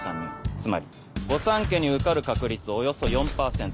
つまり御三家に受かる確率およそ４％。